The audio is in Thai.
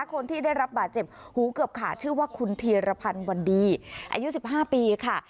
คนที่ได้รับบาดเจ็บหูเกือบขาดชื่อว่าคุณธีรพันธ์วันดีอายุ๑๕ปีค่ะ